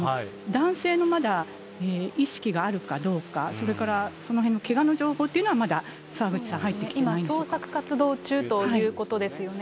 男性のまだ意識があるかどうか、それからそのへんのけがの情報というのも、まだ澤口さん、今、捜索活動中ということですよね。